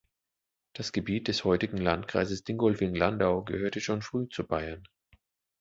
Das Gebiet des heutigen Landkreises Dingolfing-Landau gehörte schon früh zu Bayern.